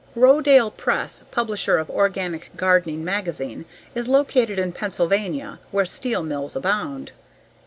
Rodale Press, publisher of Organic Gardening magazine is located in Pennsylvania where steel mills abound.